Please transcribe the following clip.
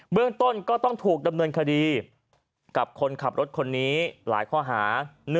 เรื่องต้นก็ต้องถูกดำเนินคดีกับคนขับรถคนนี้หลายข้อหา